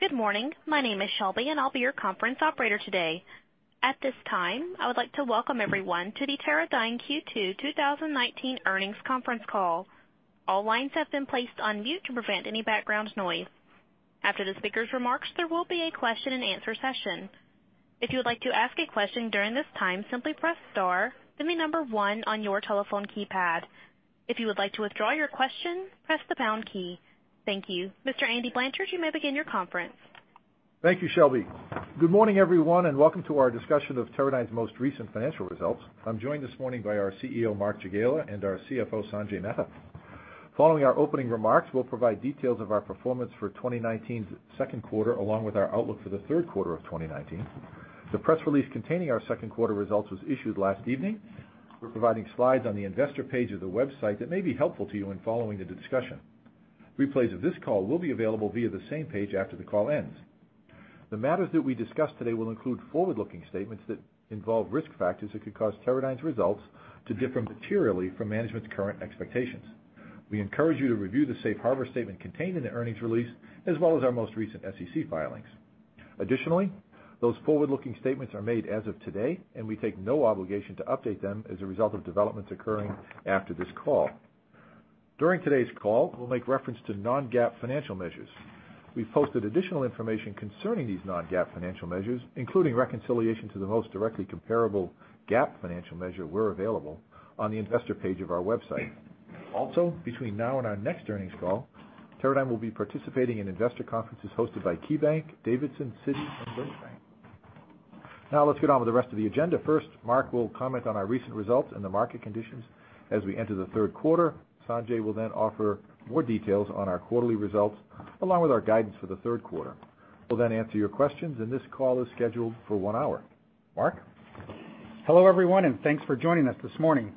Good morning. My name is Shelby, and I'll be your conference operator today. At this time, I would like to welcome everyone to the Teradyne Q2 2019 earnings conference call. All lines have been placed on mute to prevent any background noise. After the speaker's remarks, there will be a question and answer session. If you would like to ask a question during this time, simply press star, then the number one on your telephone keypad. If you would like to withdraw your question, press the pound key. Thank you. Mr. Andy Blanchard, you may begin your conference. Thank you, Shelby. Good morning, everyone, welcome to our discussion of Teradyne's most recent financial results. I'm joined this morning by our CEO, Mark Jagiela, and our CFO, Sanjay Mehta. Following our opening remarks, we'll provide details of our performance for 2019's second quarter, along with our outlook for the third quarter of 2019. The press release containing our second quarter results was issued last evening. We're providing slides on the investor page of the website that may be helpful to you in following the discussion. Replays of this call will be available via the same page after the call ends. The matters that we discuss today will include forward-looking statements that involve risk factors that could cause Teradyne's results to differ materially from management's current expectations. We encourage you to review the safe harbor statement contained in the earnings release, as well as our most recent SEC filings. Additionally, those forward-looking statements are made as of today, and we take no obligation to update them as a result of developments occurring after this call. During today's call, we'll make reference to non-GAAP financial measures. We've posted additional information concerning these non-GAAP financial measures, including reconciliation to the most directly comparable GAAP financial measure where available, on the investor page of our website. Between now and our next earnings call, Teradyne will be participating in investor conferences hosted by KeyBanc, D.A. Davidson, Citi, and Bank of America. Let's get on with the rest of the agenda. First, Mark will comment on our recent results and the market conditions as we enter the third quarter. Sanjay will then offer more details on our quarterly results, along with our guidance for the third quarter. We'll then answer your questions, and this call is scheduled for one hour. Mark? Hello, everyone, and thanks for joining us this morning.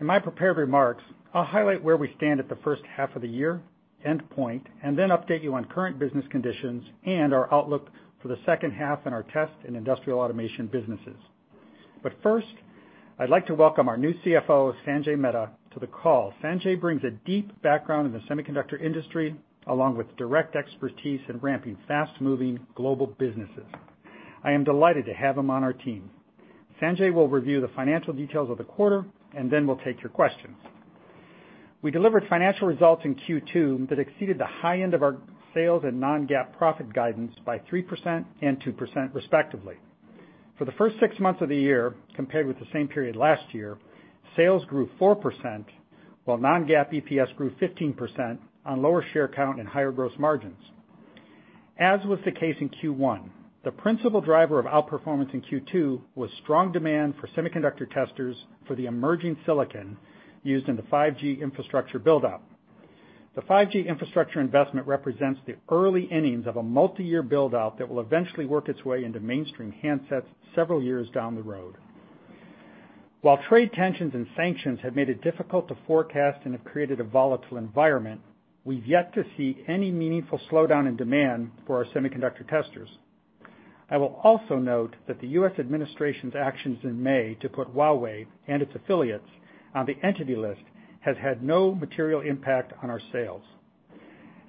In my prepared remarks, I'll highlight where we stand at the first half of the year, update you on current business conditions and our outlook for the second half in our test and industrial automation businesses. First, I'd like to welcome our new CFO, Sanjay Mehta, to the call. Sanjay brings a deep background in the semiconductor industry, along with direct expertise in ramping fast-moving global businesses. I am delighted to have him on our team. Sanjay will review the financial details of the quarter, we'll take your questions. We delivered financial results in Q2 that exceeded the high end of our sales and non-GAAP profit guidance by 3% and 2% respectively. For the first six months of the year, compared with the same period last year, sales grew 4%, while non-GAAP EPS grew 15% on lower share count and higher gross margins. As was the case in Q1, the principal driver of outperformance in Q2 was strong demand for semiconductor testers for the emerging silicon used in the 5G infrastructure buildup. The 5G infrastructure investment represents the early innings of a multiyear buildup that will eventually work its way into mainstream handsets several years down the road. While trade tensions and sanctions have made it difficult to forecast and have created a volatile environment, we've yet to see any meaningful slowdown in demand for our semiconductor testers. I will also note that the U.S. administration's actions in May to put Huawei and its affiliates on the Entity List has had no material impact on our sales.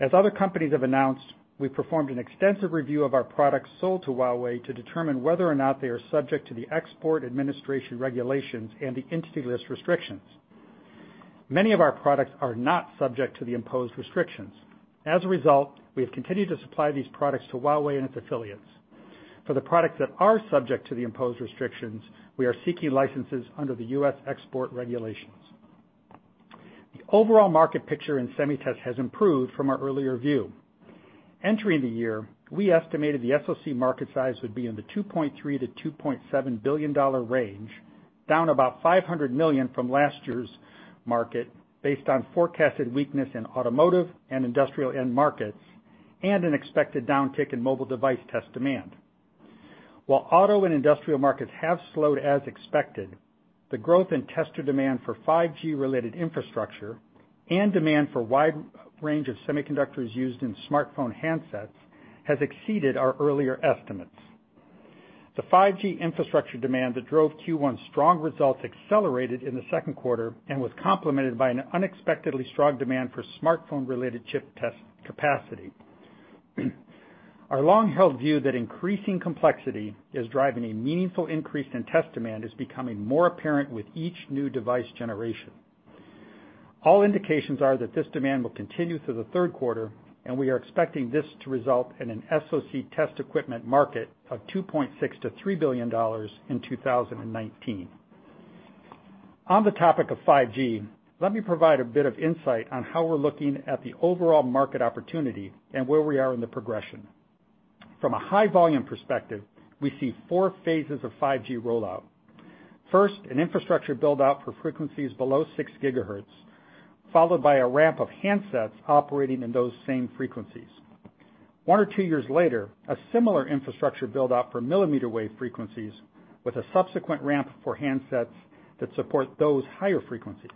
As other companies have announced, we performed an extensive review of our products sold to Huawei to determine whether or not they are subject to the Export Administration Regulations and the Entity List restrictions. Many of our products are not subject to the imposed restrictions. As a result, we have continued to supply these products to Huawei and its affiliates. For the products that are subject to the imposed restrictions, we are seeking licenses under the U.S. export regulations. The overall market picture in SemiTest has improved from our earlier view. Entering the year, we estimated the SoC market size would be in the $2.3 billion-$2.7 billion range, down about $500 million from last year's market, based on forecasted weakness in automotive and industrial end markets, and an expected downtick in mobile device test demand. While auto and industrial markets have slowed as expected, the growth in tester demand for 5G-related infrastructure and demand for a wide range of semiconductors used in smartphone handsets has exceeded our earlier estimates. The 5G infrastructure demand that drove Q1's strong results accelerated in the second quarter and was complemented by an unexpectedly strong demand for smartphone-related chip test capacity. Our long-held view that increasing complexity is driving a meaningful increase in test demand is becoming more apparent with each new device generation. All indications are that this demand will continue through the third quarter, and we are expecting this to result in an SoC test equipment market of $2.6 billion-$3 billion in 2019. On the topic of 5G, let me provide a bit of insight on how we're looking at the overall market opportunity and where we are in the progression. From a high-volume perspective, we see four phases of 5G rollout. First, an infrastructure buildup for frequencies below 6 GHz, followed by a ramp of handsets operating in those same frequencies. One or two years later, a similar infrastructure buildup for millimeter wave frequencies with a subsequent ramp for handsets that support those higher frequencies.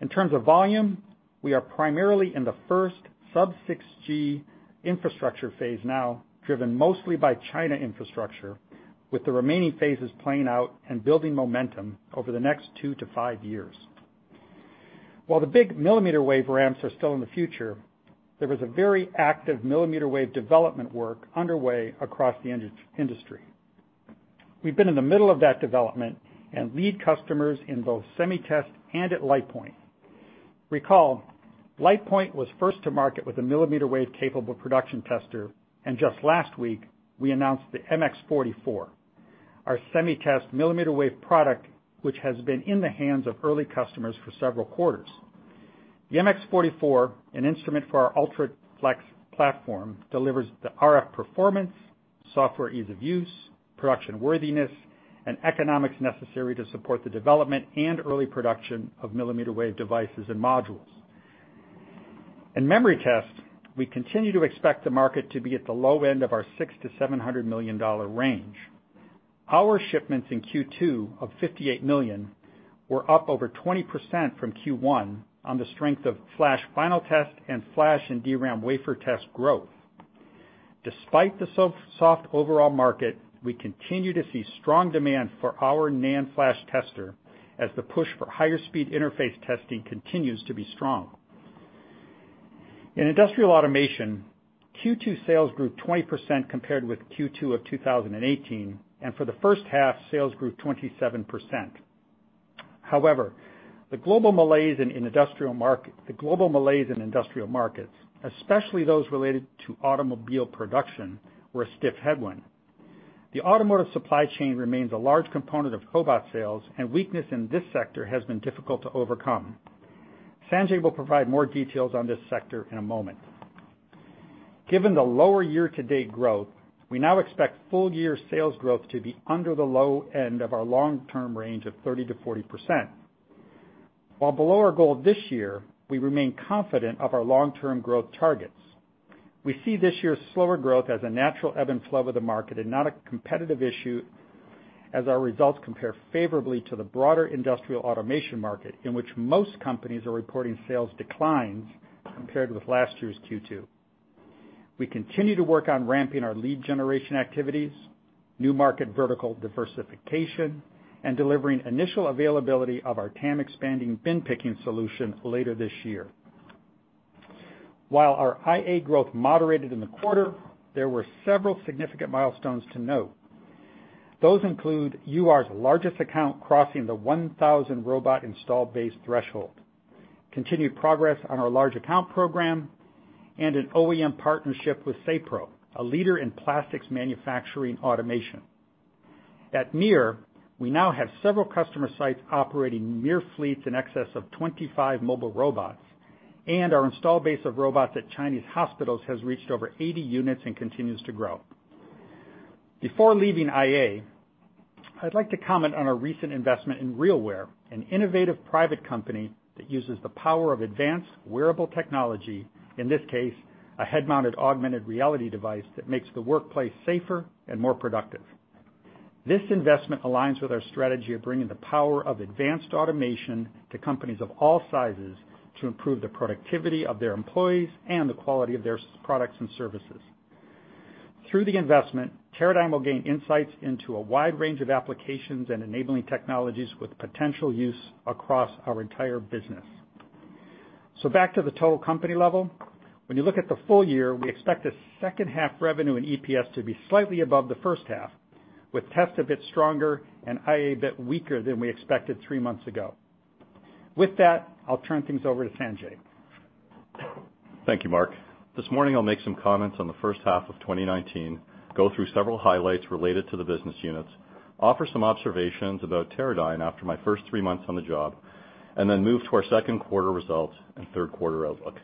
In terms of volume, we are primarily in the first sub-6G infrastructure phase now, driven mostly by China infrastructure. With the remaining phases playing out and building momentum over the next two-five years. While the big millimeter wave ramps are still in the future, there was a very active millimeter wave development work underway across the industry. We've been in the middle of that development, and lead customers in both SemiTest and at LitePoint. Recall, LitePoint was first to market with a millimeter wave-capable production tester, and just last week, we announced the MX44, our SemiTest millimeter wave product, which has been in the hands of early customers for several quarters. The MX44, an instrument for our UltraFLEX platform, delivers the RF performance, software ease of use, production worthiness, and economics necessary to support the development and early production of millimeter wave devices and modules. In memory test, we continue to expect the market to be at the low end of our six to $700 million range. Our shipments in Q2 of $58 million were up over 20% from Q1 on the strength of flash final test and flash and DRAM wafer test growth. Despite the soft overall market, we continue to see strong demand for our NAND flash tester, as the push for higher speed interface testing continues to be strong. In industrial automation, Q2 sales grew 20% compared with Q2 of 2018. For the first half, sales grew 27%. The global malaise in industrial markets, especially those related to automobile production, were a stiff headwind. The automotive supply chain remains a large component of cobot sales. Weakness in this sector has been difficult to overcome. Sanjay will provide more details on this sector in a moment. Given the lower year-to-date growth, we now expect full-year sales growth to be under the low end of our long-term range of 30%-40%. While below our goal this year, we remain confident of our long-term growth targets. We see this year's slower growth as a natural ebb and flow of the market and not a competitive issue as our results compare favorably to the broader industrial automation market, in which most companies are reporting sales declines compared with last year's Q2. We continue to work on ramping our lead generation activities, new market vertical diversification, and delivering initial availability of our TAM-expanding bin picking solution later this year. While our IA growth moderated in the quarter, there were several significant milestones to note. Those include UR's largest account crossing the 1,000 robot install base threshold, continued progress on our large account program, and an OEM partnership with SACMI a leader in plastics manufacturing automation. At MiR, we now have several customer sites operating MiR fleets in excess of 25 mobile robots, and our install base of robots at Chinese hospitals has reached over 80 units and continues to grow. Before leaving IA, I'd like to comment on our recent investment in RealWear, an innovative private company that uses the power of advanced wearable technology, in this case, a head-mounted augmented reality device that makes the workplace safer and more productive. This investment aligns with our strategy of bringing the power of advanced automation to companies of all sizes to improve the productivity of their employees and the quality of their products and services. Through the investment, Teradyne will gain insights into a wide range of applications and enabling technologies with potential use across our entire business. Back to the total company level. When you look at the full year, we expect the second half revenue and EPS to be slightly above the first half, with test a bit stronger and IA bit weaker than we expected three months ago. With that, I'll turn things over to Sanjay. Thank you, Mark. This morning I'll make some comments on the first half of 2019, go through several highlights related to the business units, offer some observations about Teradyne after my first three months on the job, and then move to our second quarter results and third quarter outlook.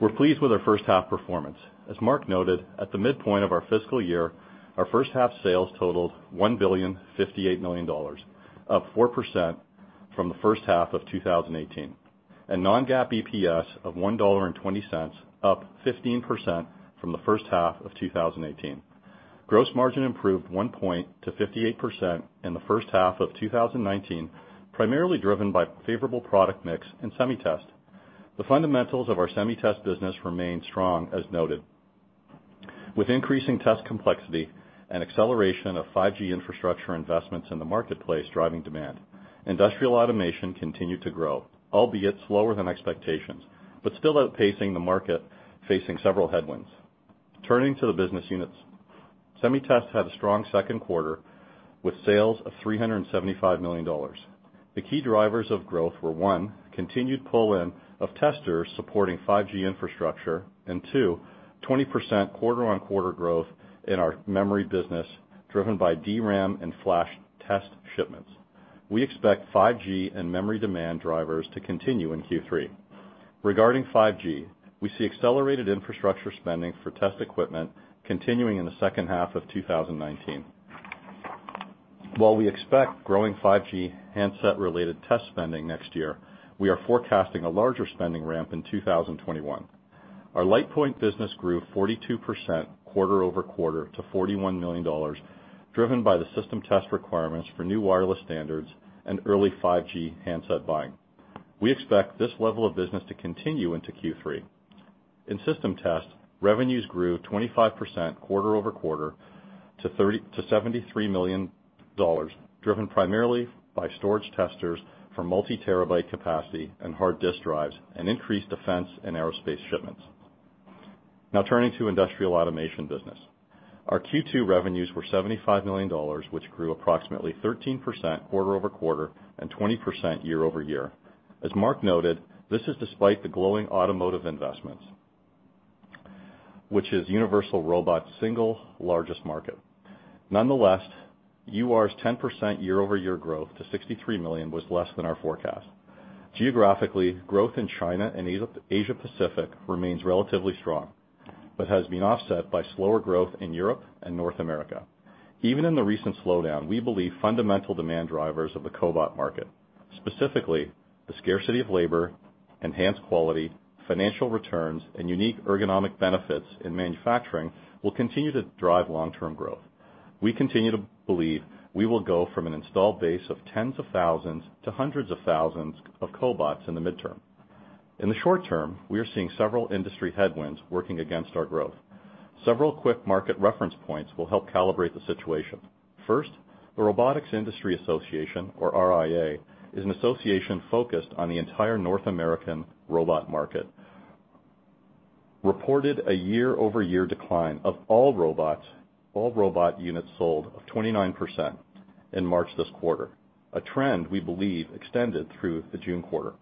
We're pleased with our first half performance. As Mark noted, at the midpoint of our fiscal year, our first half sales totaled $1.058 billion, up 4% from the first half of 2018. A non-GAAP EPS of $1.20, up 15% from the first half of 2018. Gross margin improved one point to 58% in the first half of 2019, primarily driven by favorable product mix in SemiTest. The fundamentals of our SemiTest business remain strong, as noted. With increasing test complexity and acceleration of 5G infrastructure investments in the marketplace driving demand, industrial automation continued to grow, albeit slower than expectations, but still outpacing the market, facing several headwinds. Turning to the business units. SemiTest had a strong second quarter with sales of $375 million. The key drivers of growth were, one, continued pull-in of testers supporting 5G infrastructure, and two, 20% quarter-on-quarter growth in our memory business, driven by DRAM and NAND test shipments. We expect 5G and memory demand drivers to continue in Q3. Regarding 5G, we see accelerated infrastructure spending for test equipment continuing in the second half of 2019. While we expect growing 5G handset-related test spending next year, we are forecasting a larger spending ramp in 2021. Our LitePoint business grew 42% quarter-over-quarter to $41 million, driven by the system test requirements for new wireless standards and early 5G handset buying. We expect this level of business to continue into Q3. In system tests, revenues grew 25% quarter-over-quarter to $73 million, driven primarily by storage testers for multi-terabyte capacity and hard disk drives, and increased defense and aerospace shipments. Turning to Industrial Automation business. Our Q2 revenues were $75 million, which grew approximately 13% quarter-over-quarter and 20% year-over-year. As Mark noted, this is despite the glowing automotive investments, which is Universal Robots' single largest market. UR's 10% year-over-year growth to $63 million was less than our forecast. Geographically, growth in China and Asia Pacific remains relatively strong, but has been offset by slower growth in Europe and North America. Even in the recent slowdown, we believe fundamental demand drivers of the cobot market, specifically the scarcity of labor, enhanced quality, financial returns, and unique ergonomic benefits in manufacturing will continue to drive long-term growth. We continue to believe we will go from an installed base of tens of thousands to hundreds of thousands of cobots in the midterm. In the short-term, we are seeing several industry headwinds working against our growth. Several quick market reference points will help calibrate the situation. First, the Robotics Industry Association, or RIA, is an association focused on the entire North American robot market, reported a year-over-year decline of all robot units sold of 29% in March this quarter, a trend we believe extended through the June quarter.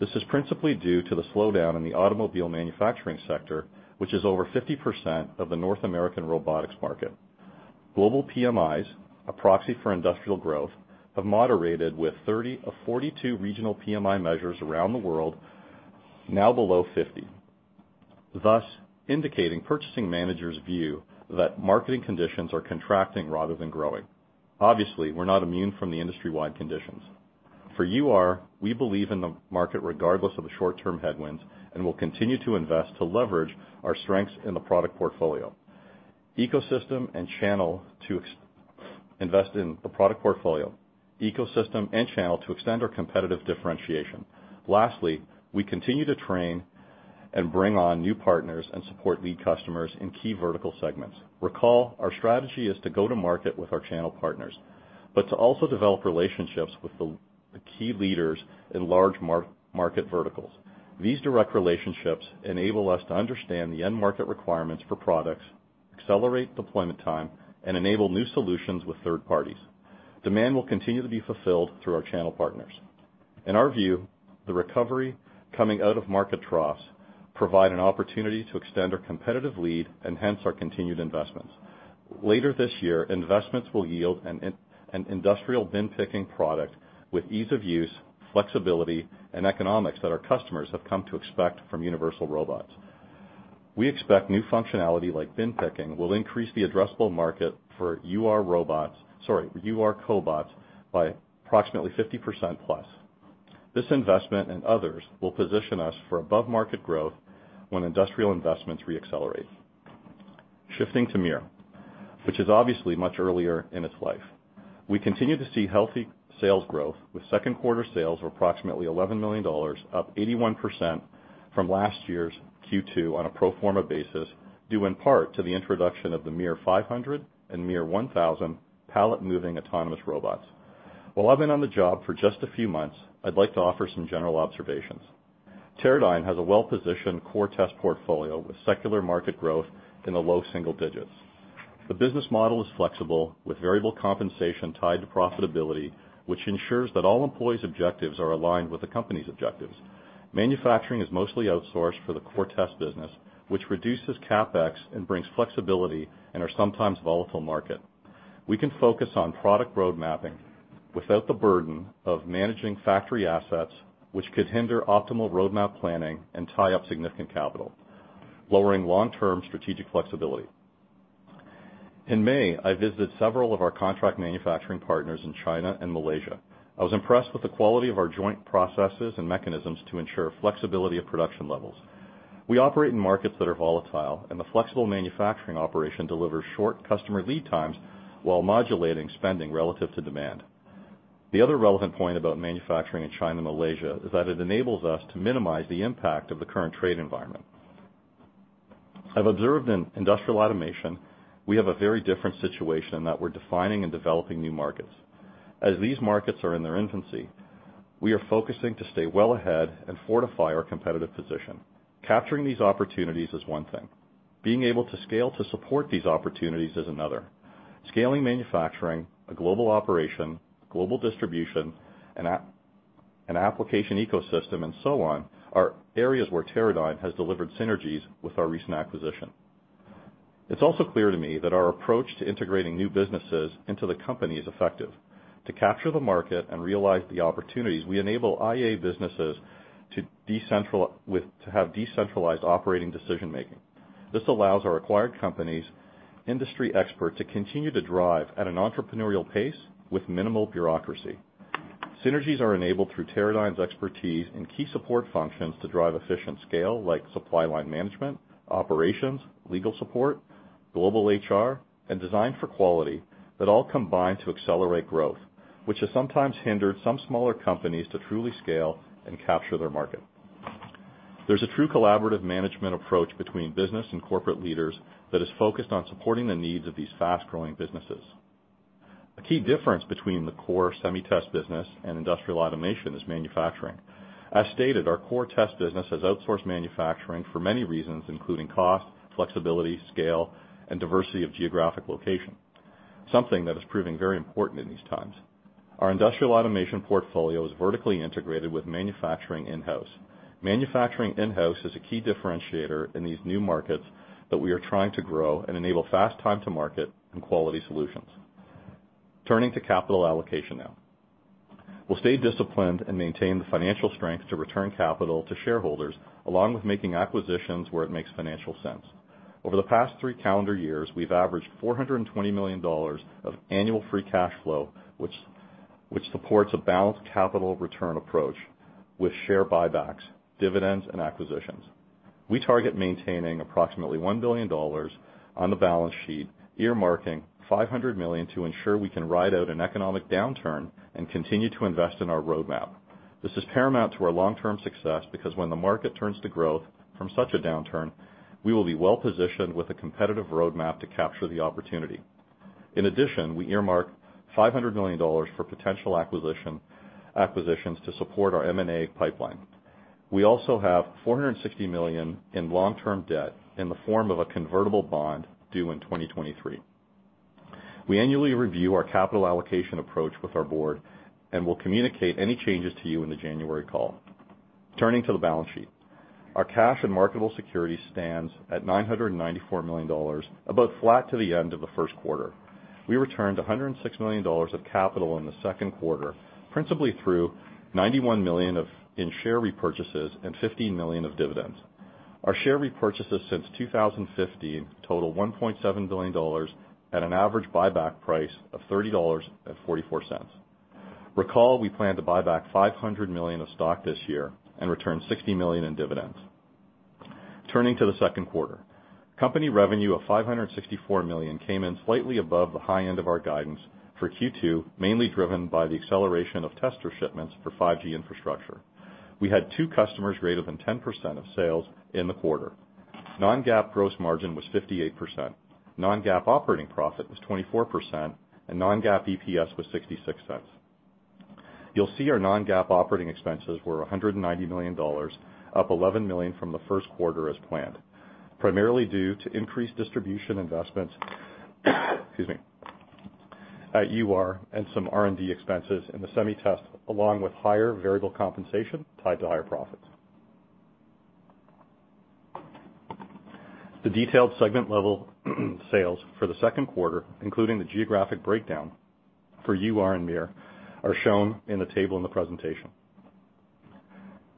This is principally due to the slowdown in the automobile manufacturing sector, which is over 50% of the North American robotics market. Global PMIs, a proxy for industrial growth, have moderated with 30 of 42 regional PMI measures around the world now below 50, thus indicating purchasing managers view that market conditions are contracting rather than growing. Obviously, we're not immune from the industry-wide conditions. For UR, we believe in the market regardless of the short-term headwinds, and will continue to invest to leverage our strengths in the product portfolio. Ecosystem and channel to invest in the product portfolio to extend our competitive differentiation. Lastly, we continue to train and bring on new partners and support lead customers in key vertical segments. Recall, our strategy is to go to market with our channel partners, but to also develop relationships with the key leaders in large market verticals. These direct relationships enable us to understand the end market requirements for products, accelerate deployment time, and enable new solutions with third parties. Demand will continue to be fulfilled through our channel partners. In our view, the recovery coming out of market troughs provide an opportunity to extend our competitive lead and hence our continued investments. Later this year, investments will yield an industrial bin picking product with ease of use, flexibility, and economics that our customers have come to expect from Universal Robots. We expect new functionality like bin picking will increase the addressable market for UR cobots by approximately 50% plus. This investment and others will position us for above-market growth when industrial investments re-accelerate. Shifting to MiR, which is obviously much earlier in its life. We continue to see healthy sales growth with second quarter sales of approximately $11 million, up 81% from last year's Q2 on a pro forma basis, due in part to the introduction of the MiR500 and MiR1000 pallet moving autonomous robots. While I've been on the job for just a few months, I'd like to offer some general observations. Teradyne has a well-positioned core test portfolio with secular market growth in the low single digits. The business model is flexible, with variable compensation tied to profitability, which ensures that all employees' objectives are aligned with the company's objectives. Manufacturing is mostly outsourced for the core test business, which reduces CapEx and brings flexibility in our sometimes volatile market. We can focus on product road mapping without the burden of managing factory assets, which could hinder optimal roadmap planning and tie up significant capital, lowering long-term strategic flexibility. In May, I visited several of our contract manufacturing partners in China and Malaysia. I was impressed with the quality of our joint processes and mechanisms to ensure flexibility of production levels. We operate in markets that are volatile, and the flexible manufacturing operation delivers short customer lead times while modulating spending relative to demand. The other relevant point about manufacturing in China and Malaysia is that it enables us to minimize the impact of the current trade environment. I've observed in industrial automation, we have a very different situation that we're defining and developing new markets. As these markets are in their infancy, we are focusing to stay well ahead and fortify our competitive position. Capturing these opportunities is one thing. Being able to scale to support these opportunities is another. Scaling manufacturing, a global operation, global distribution, and application ecosystem and so on, are areas where Teradyne has delivered synergies with our recent acquisition. It's also clear to me that our approach to integrating new businesses into the company is effective. To capture the market and realize the opportunities, we enable IA businesses to have decentralized operating decision-making. This allows our acquired companies' industry expert to continue to drive at an entrepreneurial pace with minimal bureaucracy. Synergies are enabled through Teradyne's expertise in key support functions to drive efficient scale like supply line management, operations, legal support, global HR, and design for quality that all combine to accelerate growth. Which has sometimes hindered some smaller companies to truly scale and capture their market. There's a true collaborative management approach between business and corporate leaders that is focused on supporting the needs of these fast-growing businesses. A key difference between the core SemiTest business and Industrial Automation is manufacturing. As stated, our core test business has outsourced manufacturing for many reasons, including cost, flexibility, scale, and diversity of geographic location, something that is proving very important in these times. Our Industrial Automation portfolio is vertically integrated with manufacturing in-house. Manufacturing in-house is a key differentiator in these new markets that we are trying to grow and enable fast time to market and quality solutions. Turning to capital allocation now. We'll stay disciplined and maintain the financial strength to return capital to shareholders, along with making acquisitions where it makes financial sense. Over the past three calendar years, we've averaged $420 million of annual free cash flow, which supports a balanced capital return approach with share buybacks, dividends, and acquisitions. We target maintaining approximately $1 billion on the balance sheet, earmarking $500 million to ensure we can ride out an economic downturn and continue to invest in our roadmap. This is paramount to our long-term success because when the market turns to growth from such a downturn, we will be well-positioned with a competitive roadmap to capture the opportunity. In addition, we earmark $500 million for potential acquisitions to support our M&A pipeline. We also have $460 million in long-term debt in the form of a convertible bond due in 2023. We annually review our capital allocation approach with our board and will communicate any changes to you in the January call. Turning to the balance sheet. Our cash and marketable security stands at $994 million, about flat to the end of the first quarter. We returned $106 million of capital in the second quarter, principally through $91 million in share repurchases and $15 million of dividends. Our share repurchases since 2015 total $1.7 billion at an average buyback price of $30.44. Recall, we plan to buy back $500 million of stock this year and return $60 million in dividends. Turning to the second quarter. Company revenue of $564 million came in slightly above the high end of our guidance for Q2, mainly driven by the acceleration of tester shipments for 5G infrastructure. We had two customers greater than 10% of sales in the quarter. Non-GAAP gross margin was 58%, non-GAAP operating profit was 24%, and non-GAAP EPS was $0.66. You'll see our non-GAAP operating expenses were $190 million, up $11 million from the first quarter as planned, primarily due to increased distribution investments at UR and some R&D expenses in the SemiTest, along with higher variable compensation tied to higher profits. The detailed segment level sales for the second quarter, including the geographic breakdown for UR and MiR, are shown in the table in the presentation.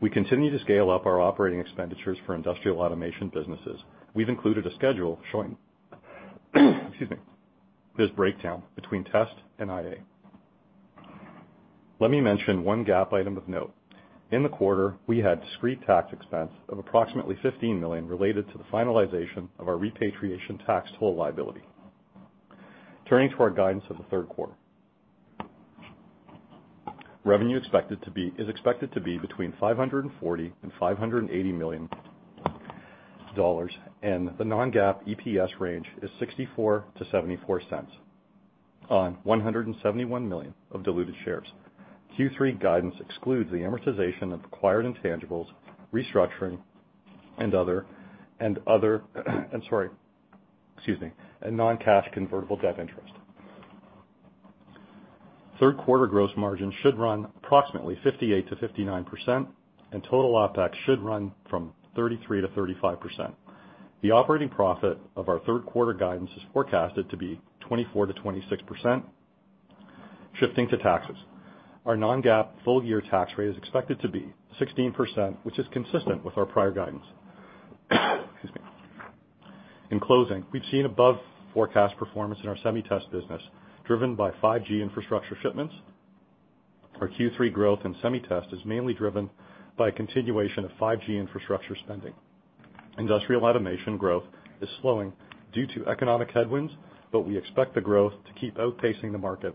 We continue to scale up our operating expenditures for Industrial Automation businesses. We've included a schedule showing this breakdown between Test and IA. Let me mention one GAAP item of note. In the quarter, we had discrete tax expense of approximately $15 million related to the finalization of our repatriation tax bill liability. Turning to our guidance for the third quarter. Revenue is expected to be between $540 million and $580 million. The non-GAAP EPS range is $0.64-$0.74 on 171 million diluted shares. Q3 guidance excludes the amortization of acquired intangibles, restructuring, and non-cash convertible debt interest. Third quarter gross margin should run approximately 58%-59%. Total OpEx should run from 33%-35%. The operating profit of our third quarter guidance is forecasted to be 24%-26%. Shifting to taxes. Our non-GAAP full year tax rate is expected to be 16%, which is consistent with our prior guidance. In closing, we've seen above forecast performance in our SemiTest business, driven by 5G infrastructure shipments. Our Q3 growth in SemiTest is mainly driven by a continuation of 5G infrastructure spending. Industrial Automation growth is slowing due to economic headwinds, but we expect the growth to keep outpacing the market,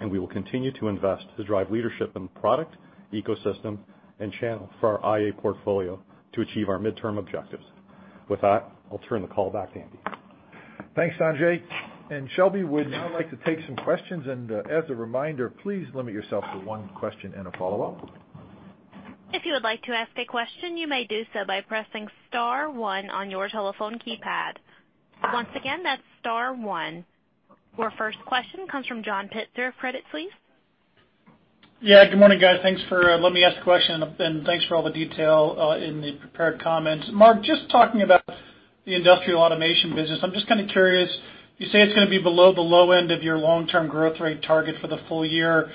and we will continue to invest to drive leadership in product, ecosystem, and channel for our IA portfolio to achieve our midterm objectives. With that, I'll turn the call back to Andy. Thanks, Sanjay. Shelby, we'd now like to take some questions, and as a reminder, please limit yourself to one question and a follow-up. If you would like to ask a question, you may do so by pressing star one on your telephone keypad. Once again, that's star one. Your first question comes from John Pitzer of Credit Suisse. Yeah, good morning, guys. Thanks for letting me ask the question, and thanks for all the detail in the prepared comments. Mark, just talking about the Industrial Automation business, I'm just kind of curious, you say it's going to be below the low end of your long-term growth rate target for the full year.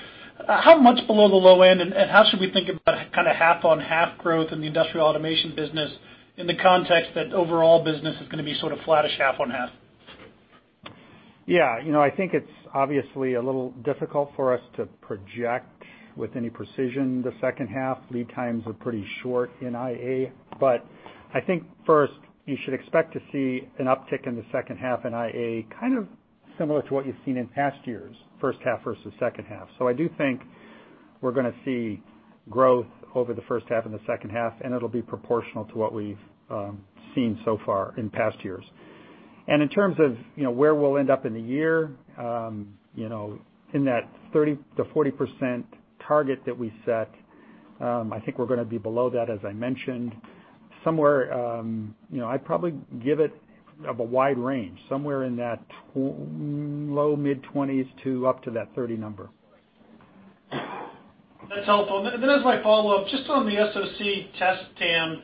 How much below the low end, and how should we think about kind of half-on-half growth in the Industrial Automation business in the context that overall business is going to be sort of flattish half-on-half? Yeah. I think it's obviously a little difficult for us to project with any precision the second half. Lead times are pretty short in IA. I think first you should expect to see an uptick in the second half in IA, kind of similar to what you've seen in past years, first half versus second half. We're going to see growth over the first half and the second half, and it'll be proportional to what we've seen so far in past years. In terms of where we'll end up in the year, in that 30%-40% target that we set, I think we're going to be below that, as I mentioned. I'd probably give it a wide range, somewhere in that low mid 20s to up to that 30 number. That's helpful. As my follow-up, just on the SoC test TAM,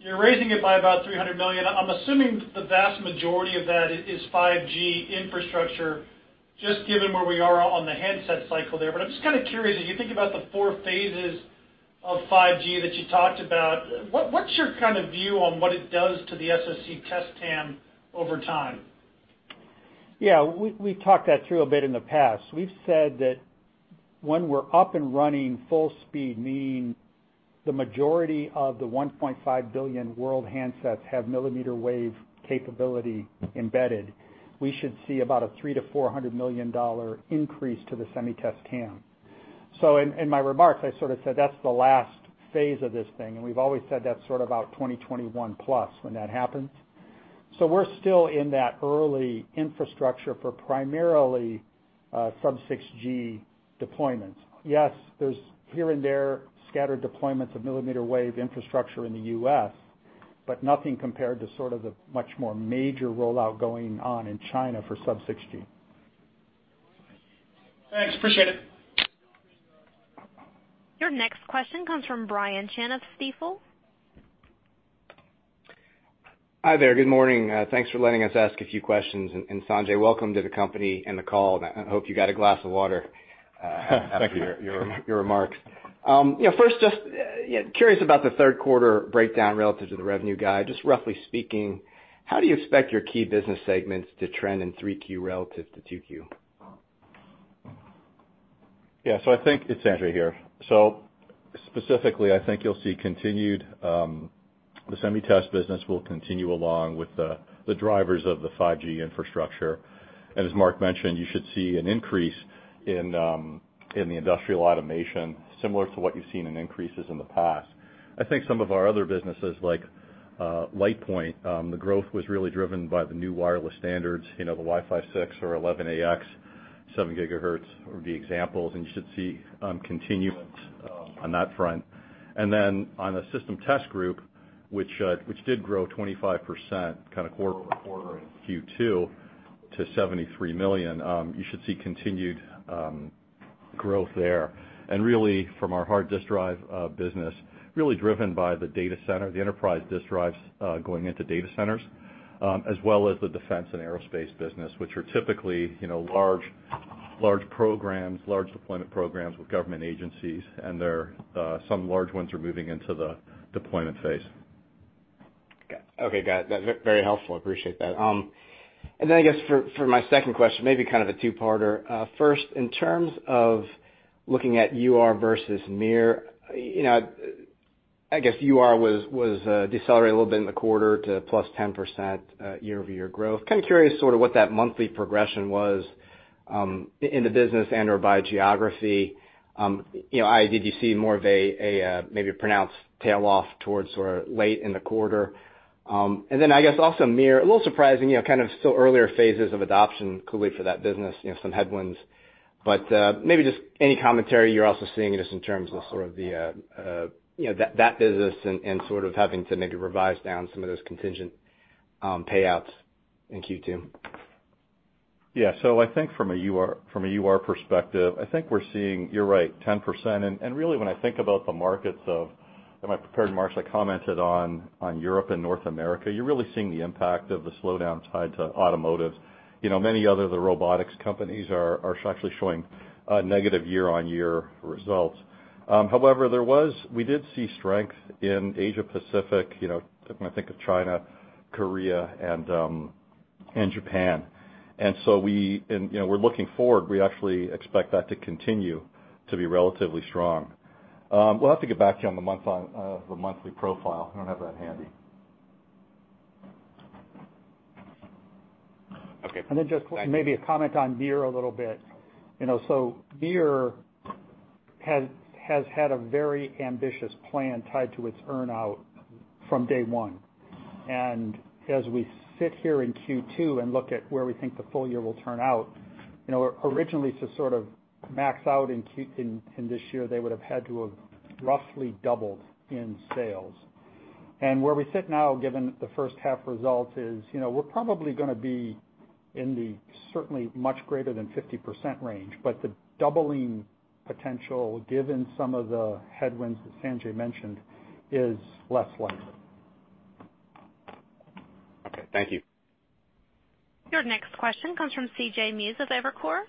you're raising it by about $300 million. I'm assuming the vast majority of that is 5G infrastructure, just given where we are on the handset cycle there. I'm just kind of curious, as you think about the four phases of 5G that you talked about, what's your kind of view on what it does to the SoC test TAM over time? Yeah, we've talked that through a bit in the past. We've said that when we're up and running full speed, meaning the majority of the 1.5 billion world handsets have millimeter wave capability embedded, we should see about a $300 million-$400 million increase to the SemiTest TAM. In my remarks, I sort of said that's the last phase of this thing, and we've always said that's sort of out 2021 plus when that happens. We're still in that early infrastructure for primarily sub-6 GHz deployments. Yes, there's here and there scattered deployments of millimeter wave infrastructure in the U.S., but nothing compared to sort of the much more major rollout going on in China for sub-6 GHz. Thanks. Appreciate it. Your next question comes from Brian Chin of Stifel. Hi there. Good morning. Thanks for letting us ask a few questions. Sanjay, welcome to the company and the call. I hope you got a glass of water after your remarks. First, just curious about the third quarter breakdown relative to the revenue guide. Roughly speaking, how do you expect your key business segments to trend in 3Q relative to 2Q? Yeah. It's Sanjay here. Specifically, I think the SemiTest business will continue along with the drivers of the 5G infrastructure. As Mark mentioned, you should see an increase in the industrial automation, similar to what you've seen in increases in the past. I think some of our other businesses, like LitePoint, the growth was really driven by the new wireless standards, the Wi-Fi 6 or 802.11ax, seven gigahertz would be examples, you should see continuance on that front. On the System Test group, which did grow 25% kind of quarter-over-quarter in Q2 to $73 million, you should see continued growth there. Really from our hard disk drive business, really driven by the data center, the enterprise disk drives going into data centers. As well as the defense and aerospace business, which are typically large deployment programs with government agencies, and some large ones are moving into the deployment phase. Okay, got it. Very helpful. Appreciate that. I guess for my second question, maybe kind of a two-parter. First, in terms of looking at UR versus MiR, I guess UR was decelerated a little bit in the quarter to +10% year-over-year growth. Kind of curious sort of what that monthly progression was in the business and/or by geography. Did you see more of a maybe a pronounced tail off towards sort of late in the quarter? I guess also MiR, a little surprising, kind of still earlier phases of adoption clearly for that business, some headwinds, but maybe just any commentary you're also seeing just in terms of sort of that business and sort of having to maybe revise down some of those contingent payouts in Q2. Yeah. I think from a UR perspective, I think we're seeing, you're right, 10%. Really when I think about the markets of, in my prepared remarks I commented on Europe and North America, you're really seeing the impact of the slowdown tied to automotive. Many other of the robotics companies are actually showing negative year-on-year results. However, we did see strength in Asia Pacific. When I think of China, Korea, and Japan. We're looking forward, we actually expect that to continue to be relatively strong. We'll have to get back to you on the monthly profile. I don't have that handy. Okay. Just maybe a comment on MiR a little bit. MiR has had a very ambitious plan tied to its earn-out from day one. As we sit here in Q2 and look at where we think the full year will turn out, originally to sort of max out in this year, they would have had to have roughly doubled in sales. Where we sit now, given the first half results, is we're probably going to be in the certainly much greater than 50% range. The doubling potential, given some of the headwinds that Sanjay mentioned, is less likely. Okay. Thank you. Your next question comes from CJ Muse of Evercore.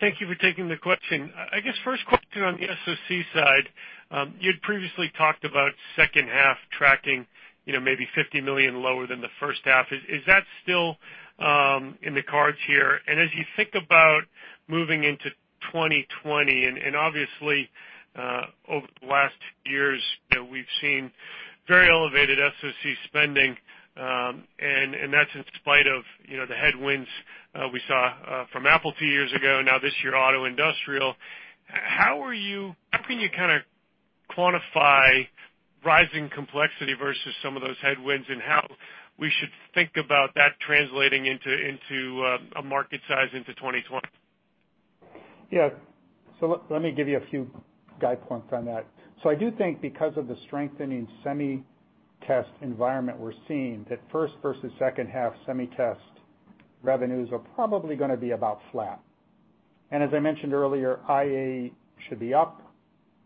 Thank you for taking the question. First question on the SoC side. You had previously talked about second half tracking maybe $50 million lower than the first half. Is that still in the cards here? As you think about moving into 2020, and obviously, over the last few years, we've seen very elevated SoC spending, and that's in spite of the headwinds we saw from Apple two years ago, now this year, auto industrial, how can you kind of quantify rising complexity versus some of those headwinds, and how we should think about that translating into a market size into 2020? Yeah. Let me give you a few guide points on that. I do think because of the strengthening SemiTest environment we're seeing, that first versus second half SemiTest revenues are probably going to be about flat. As I mentioned earlier, IA should be up.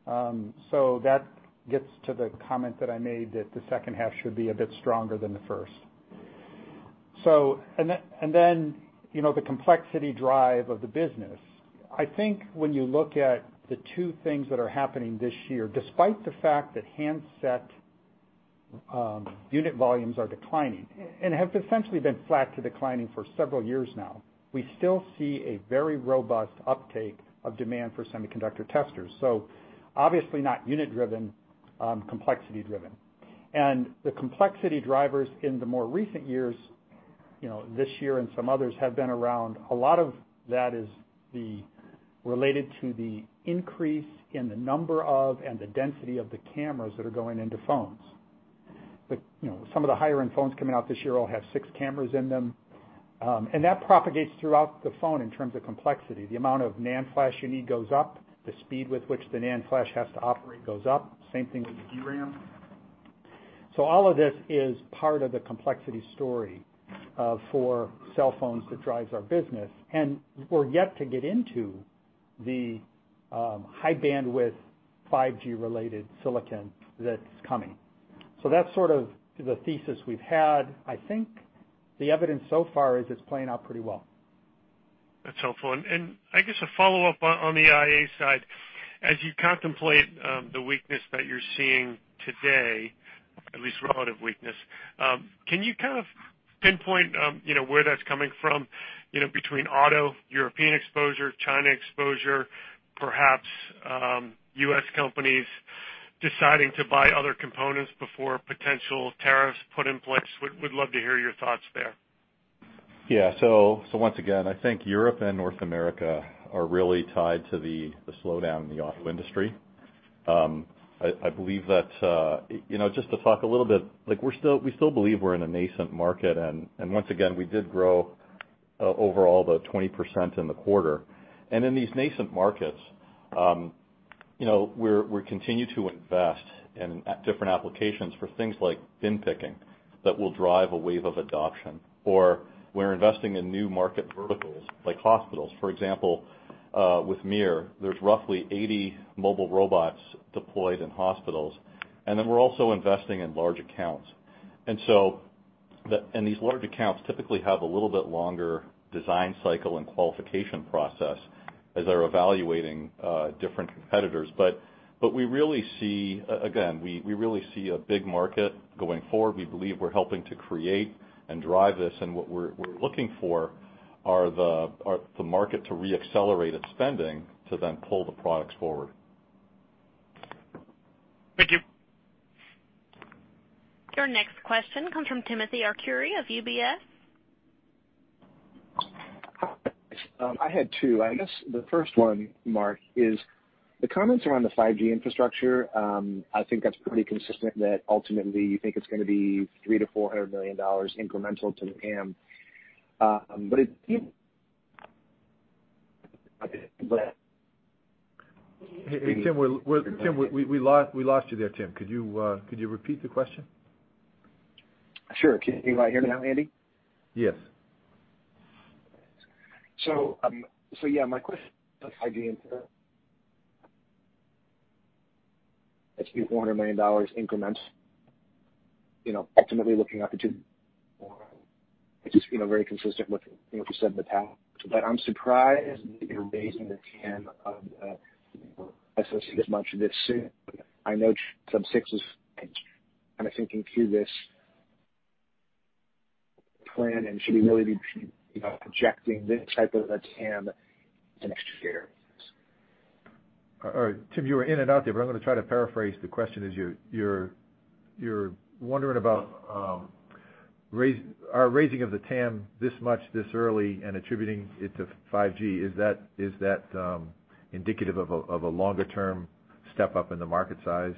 That gets to the comment that I made that the second half should be a bit stronger than the first. The complexity drive of the business. I think when you look at the two things that are happening this year, despite the fact that handset unit volumes are declining and have essentially been flat to declining for several years now, we still see a very robust uptake of demand for semiconductor testers. Obviously not unit driven, complexity driven. The complexity drivers in the more recent years, this year and some others, have been around, a lot of that is related to the increase in the number of and the density of the cameras that are going into phones. Some of the higher-end phones coming out this year all have six cameras in them. That propagates throughout the phone in terms of complexity. The amount of NAND flash you need goes up, the speed with which the NAND flash has to operate goes up. Same thing with the DRAM. All of this is part of the complexity story for cell phones that drives our business, and we're yet to get into the high bandwidth 5G related silicon that's coming. That's sort of the thesis we've had. I think the evidence so far is it's playing out pretty well. That's helpful. I guess a follow-up on the IA side, as you contemplate the weakness that you're seeing today, at least relative weakness, can you kind of pinpoint where that's coming from, between auto, European exposure, China exposure, perhaps U.S. companies deciding to buy other components before potential tariffs put in place? Would love to hear your thoughts there. Once again, I think Europe and North America are really tied to the slowdown in the auto industry. Just to talk a little bit, we still believe we're in a nascent market, and once again, we did grow overall the 20% in the quarter. In these nascent markets, we continue to invest in different applications for things like bin picking that will drive a wave of adoption, or we're investing in new market verticals like hospitals. For example, with MiR, there's roughly 80 mobile robots deployed in hospitals. Then we're also investing in large accounts. These large accounts typically have a little bit longer design cycle and qualification process as they're evaluating different competitors. Again, we really see a big market going forward. We believe we're helping to create and drive this, and what we're looking for are the market to re-accelerate its spending to then pull the products forward. Thank you. Your next question comes from Timothy Arcuri of UBS. I had two. I guess the first one, Mark, is the comments around the 5G infrastructure. I think that's pretty consistent that ultimately you think it's going to be $300 million-$400 million incremental to the TAM. Hey, Tim, we lost you there, Tim. Could you repeat the question? Sure. Can you hear me now, Andy? Yes. Yeah, my question on 5G infra. It's $400 million increments. It's just very consistent with what you said in the TAM. I'm surprised that you're raising the TAM of SoC as much this soon. I know sub-6 GHz is kind of thinking through this plan and should we really be projecting this type of a TAM in next year? All right. Tim, you were in and out there, but I'm going to try to paraphrase the question as you're wondering about our raising of the TAM this much this early and attributing it to 5G. Is that indicative of a longer-term step up in the market size?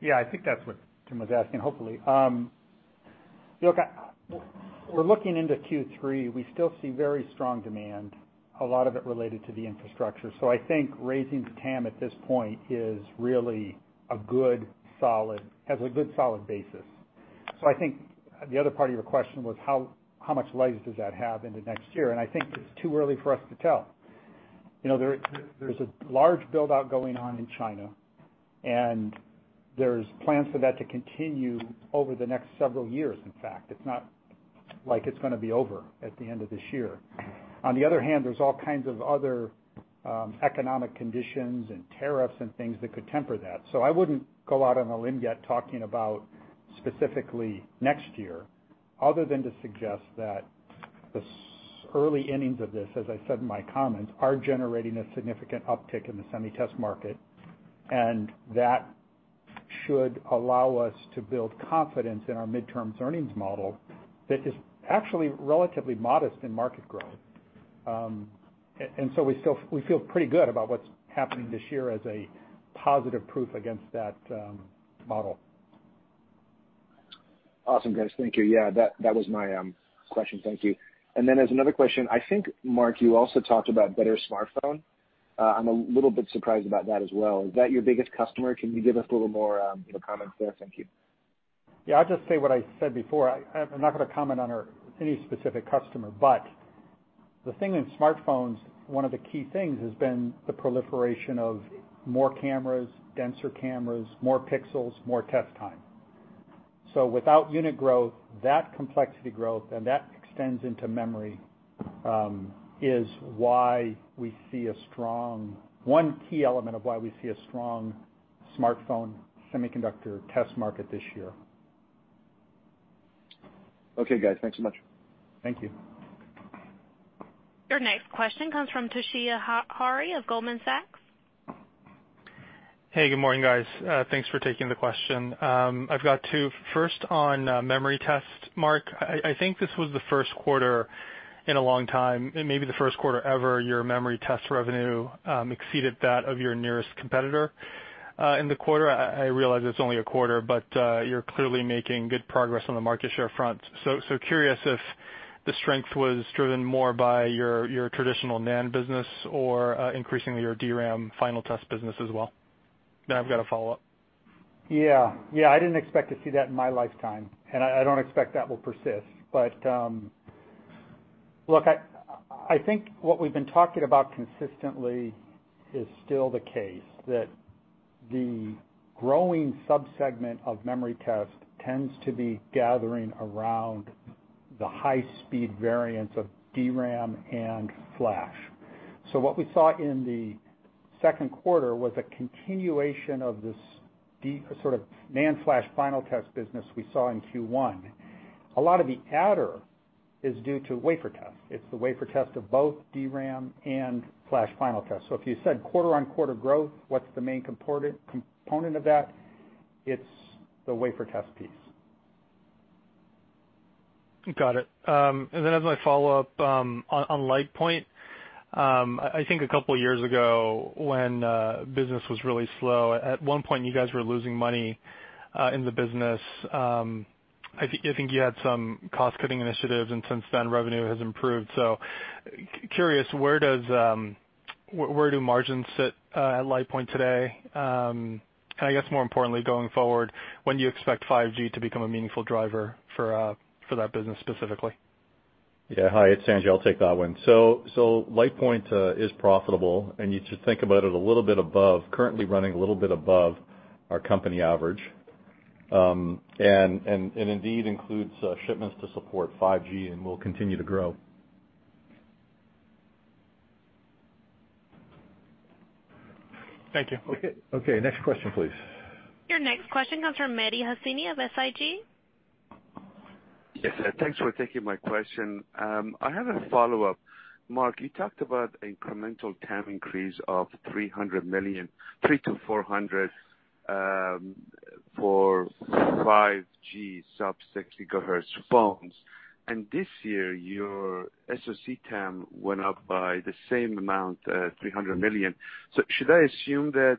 Yeah, I think that's what Tim was asking, hopefully. Look, we're looking into Q3. We still see very strong demand, a lot of it related to the infrastructure. I think raising the TAM at this point has a good solid basis. I think the other part of your question was how much legs does that have into next year? I think it's too early for us to tell. There's a large build-out going on in China, and there's plans for that to continue over the next several years, in fact. It's not like it's going to be over at the end of this year. On the other hand, there's all kinds of other economic conditions and tariffs and things that could temper that. I wouldn't go out on a limb yet talking about specifically next year, other than to suggest that the early innings of this, as I said in my comments, are generating a significant uptick in the SemiTest market, and that should allow us to build confidence in our mid-term earnings model that is actually relatively modest in market growth. We feel pretty good about what's happening this year as a positive proof against that model. Awesome, guys. Thank you. Yeah, that was my question. Thank you. There's another question. I think, Mark, you also talked about better smartphone. I'm a little bit surprised about that as well. Is that your biggest customer? Can you give us a little more comments there? Thank you. Yeah. I'll just say what I said before. I'm not going to comment on any specific customer, but the thing in smartphones, one of the key things has been the proliferation of more cameras, denser cameras, more pixels, more test time. Without unit growth, that complexity growth, and that extends into memory, is one key element of why we see a strong smartphone semiconductor test market this year. Okay, guys, thanks so much. Thank you. Your next question comes from Toshiya Hari of Goldman Sachs. Hey, good morning, guys. Thanks for taking the question. I've got two. On memory test, Mark, I think this was the first quarter in a long time, it may be the first quarter ever, your memory test revenue exceeded that of your nearest competitor in the quarter. I realize it's only a quarter, you're clearly making good progress on the market share front. Curious if the strength was driven more by your traditional NAND business or increasingly your DRAM final test business as well. I've got a follow-up. Yeah. I didn't expect to see that in my lifetime, and I don't expect that will persist. Look, I think what we've been talking about consistently is still the case, that the growing sub-segment of memory test tends to be gathering around the high-speed variants of DRAM and flash. What we saw in the second quarter was a continuation of this sort of NAND flash final test business we saw in Q1. A lot of the adder is due to wafer test. It's the wafer test of both DRAM and flash final test. If you said quarter-on-quarter growth, what's the main component of that? It's the wafer test piece. Got it. As my follow-up, on LitePoint, I think a couple of years ago when business was really slow, at one point you guys were losing money in the business. I think you had some cost-cutting initiatives. Since then, revenue has improved. Curious, where do margins sit at LitePoint today? I guess more importantly, going forward, when do you expect 5G to become a meaningful driver for that business specifically? Hi, it's Sanjay. I'll take that one. LitePoint is profitable, and you should think about it a little bit above, currently running a little bit above our company average. Indeed includes shipments to support 5G and will continue to grow. Thank you. Okay. Next question, please. Your next question comes from Mehdi Hosseini of SIG. Yes, sir. Thanks for taking my question. I have a follow-up. Mark, you talked about incremental TAM increase of $300 million, $300-$400 for 5G sub-6 GHz phones. This year, your SoC TAM went up by the same amount, $300 million. Should I assume that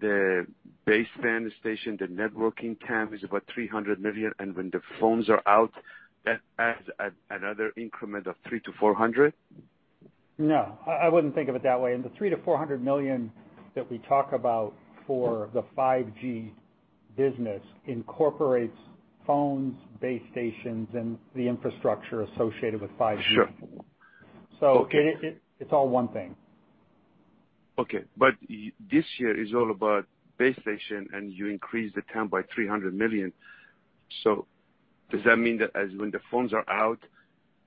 the base band station, the networking TAM is about $300 million, and when the phones are out, that adds another increment of $300-$400? No, I wouldn't think of it that way. The $300 million-$400 million that we talk about for the 5G business incorporates phones, base stations, and the infrastructure associated with 5G. Sure. Okay. It's all one thing. Okay. This year is all about base station, and you increased the TAM by $300 million. Does that mean that when the phones are out,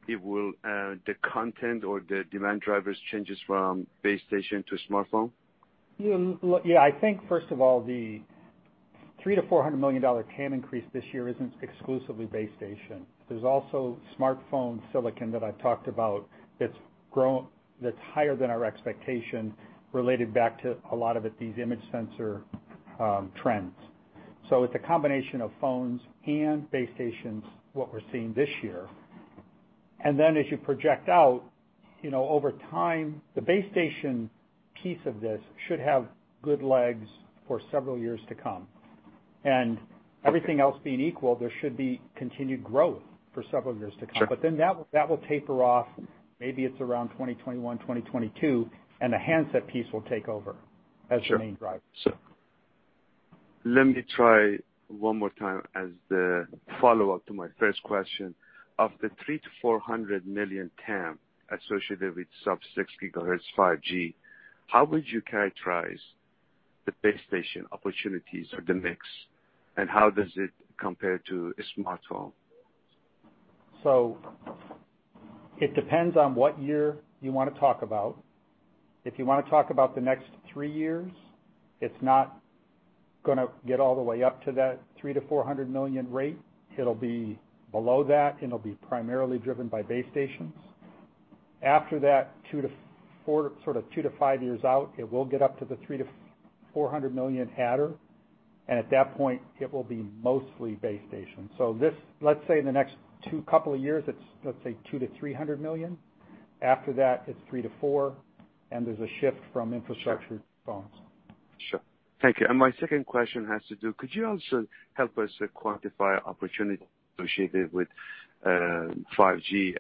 the content or the demand drivers changes from base station to smartphone? I think, first of all, the three to $400 million TAM increase this year isn't exclusively base station. There's also smartphone silicon that I've talked about that's higher than our expectation, related back to a lot of these image sensor trends. It's a combination of phones and base stations, what we're seeing this year. As you project out, over time, the base station piece of this should have good legs for several years to come. Everything else being equal, there should be continued growth for several years to come. That will taper off, maybe it's around 2021, 2022, and the handset piece will take over the main driver. Let me try one more time as the follow-up to my first question. Of the $300 million-$400 million TAM associated with sub-6 GHz 5G, how would you characterize the base station opportunities or the mix, and how does it compare to a smartphone? It depends on what year you want to talk about. If you want to talk about the next three years, it's not going to get all the way up to that $300 million-$400 million rate. It'll be below that, and it'll be primarily driven by base stations. After that sort of two to five years out, it will get up to the $300 million-$400 million adder, and at that point, it will be mostly base stations. Let's say in the next two couple of years, it's, let's say, $200 million-$300 million. After that, it's $300 million-$400 million, and there's a shift from infrastructure to phones. Sure. Thank you. My second question, could you also help us quantify opportunity associated with 5G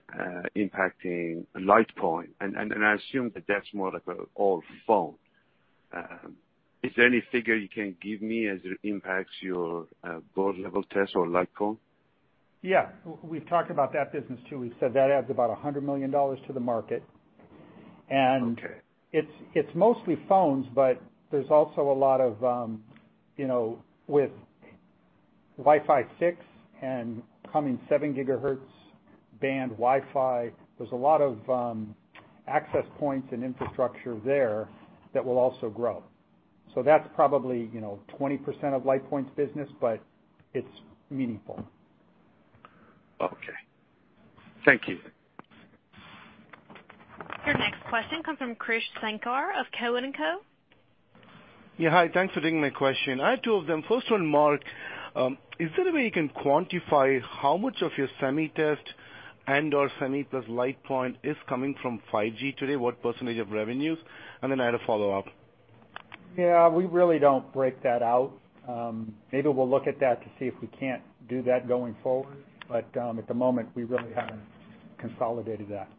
impacting LitePoint? I assume that that's more of an old phone. Is there any figure you can give me as it impacts your board level test or LitePoint? Yeah. We've talked about that business, too. We said that adds about $100 million to the market. It's mostly phones, but there's also a lot of, with Wi-Fi 6 and coming 7 GHz band Wi-Fi, there's a lot of access points and infrastructure there that will also grow. That's probably 20% of LitePoint's business, but it's meaningful. Okay. Thank you. Your next question comes from Krish Sankar of Cowen and Co. Yeah. Hi. Thanks for taking my question. I have two of them. First one, Mark, is there a way you can quantify how much of your SemiTest and/or SemiTest plus LitePoint is coming from 5G today? What % of revenues? Then I had a follow-up. Yeah, we really don't break that out. Maybe we'll look at that to see if we can't do that going forward. At the moment, we really haven't consolidated that.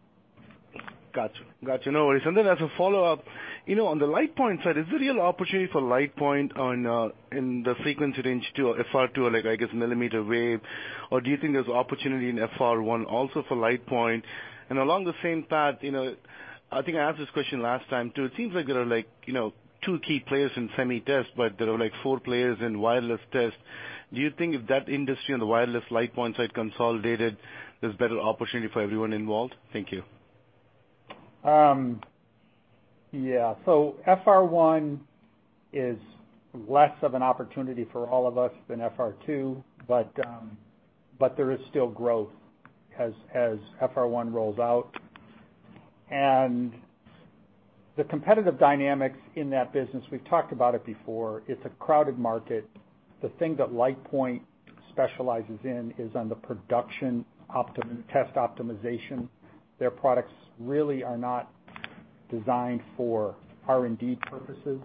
Got you. No worries. As a follow-up, on the LitePoint side, is there a real opportunity for LitePoint in the frequency range 2, FR2 or, I guess, millimeter wave, or do you think there's opportunity in FR1 also for LitePoint? Along the same path, I think I asked this question last time, too. It seems like there are two key players in SemiTest, but there are four players in wireless test. Do you think if that industry on the wireless LitePoint side consolidated, there's better opportunity for everyone involved? Thank you. Yeah. FR1 is less of an opportunity for all of us than FR2, but there is still growth as FR1 rolls out. The competitive dynamics in that business, we've talked about it before, it's a crowded market. The thing that LitePoint specializes in is on the production test optimization. Their products really are not designed for R&D purposes.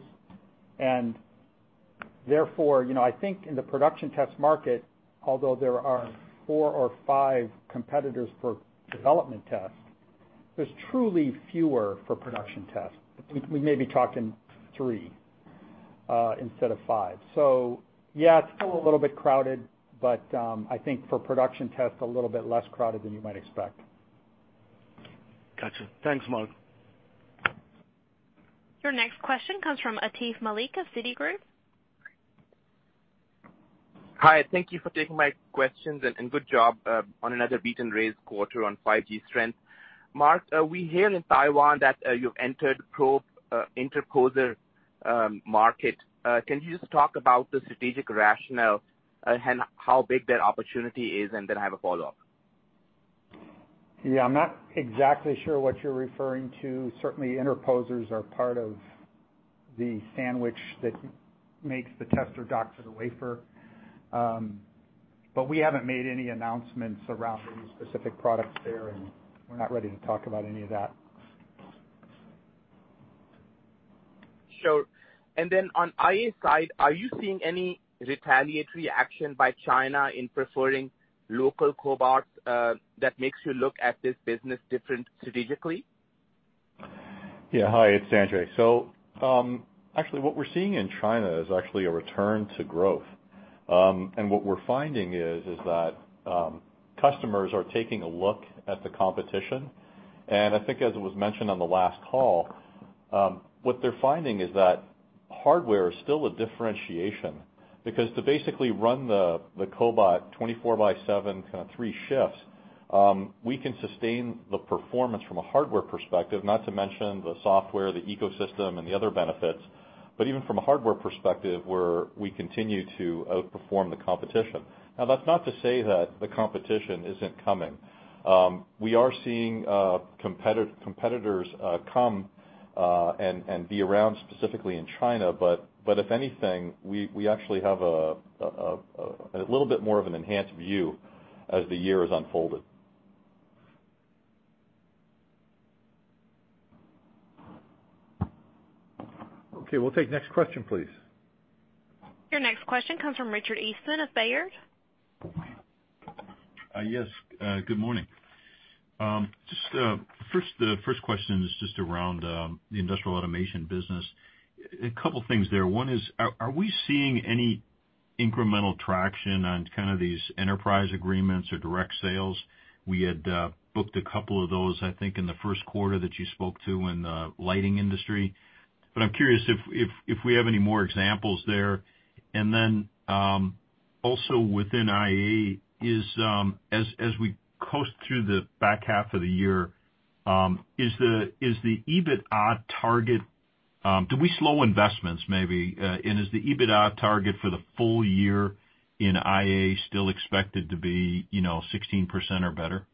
Therefore, I think in the production test market, although there are four or five competitors for development tests, there's truly fewer for production tests. We may be talking three instead of five. Yeah, it's still a little bit crowded, but I think for production tests, a little bit less crowded than you might expect. Got you. Thanks, Mark. Your next question comes from Atif Malik of Citigroup. Hi, thank you for taking my questions. Good job on another beat and raise quarter on 5G strength. Mark, we hear in Taiwan that you've entered probe interposer market. Can you just talk about the strategic rationale and how big that opportunity is? I have a follow-up. Yeah, I'm not exactly sure what you're referring to. Certainly interposers are part of the sandwich that makes the tester dock to the wafer. We haven't made any announcements around any specific products there, and we're not ready to talk about any of that. Sure. On IA side, are you seeing any retaliatory action by China in preferring local cobots that makes you look at this business different strategically? Yeah. Hi, it's Andre. Actually what we're seeing in China is actually a return to growth. What we're finding is that customers are taking a look at the competition. I think as it was mentioned on the last call, what they're finding is that hardware is still a differentiation, because to basically run the cobot 24 by 7, kind of three shifts, we can sustain the performance from a hardware perspective, not to mention the software, the ecosystem, and the other benefits. Even from a hardware perspective, we continue to outperform the competition. Now, that's not to say that the competition isn't coming. We are seeing competitors come and be around specifically in China. If anything, we actually have a little bit more of an enhanced view as the year has unfolded. Okay. We'll take the next question, please. Your next question comes from Richard Eastman of Baird. Yes. Good morning. The first question is just around the industrial automation business. A couple things there. One is, are we seeing any incremental traction on kind of these enterprise agreements or direct sales? We had booked a couple of those, I think, in the first quarter that you spoke to in the lighting industry. I'm curious if we have any more examples there. Also within IA, as we coast through the back half of the year, is the EBITDA target? Do we slow investments, maybe? Is the EBITDA target for the full year in IA still expected to be 16% or better?